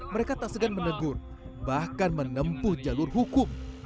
mereka tak segan menegur bahkan menempuh jalur hukum